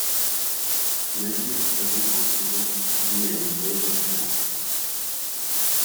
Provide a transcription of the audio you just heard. Maddie la prévient en lui disant que Kylie a une mauvaise influence.